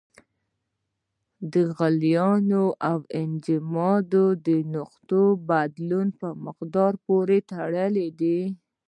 د غلیان او انجماد د نقطو بدلون په مقدار پورې تړلی دی.